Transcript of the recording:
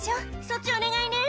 「そっちお願いね」